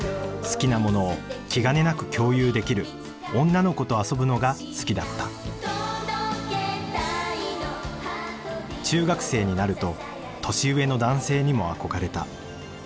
好きなものを気兼ねなく共有できる女の子と遊ぶのが好きだった中学生になると年上の男性にも憧れた。